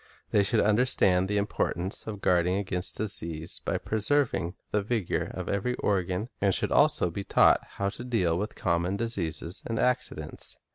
They should understand the importance of guarding against disease by preserving the vigor of ever)' organ, and should also be taught how to deal with common diseases and accidents.